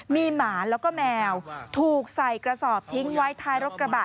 มีหมาแล้วก็แมวถูกใส่กระสอบทิ้งไว้ท้ายรถกระบะ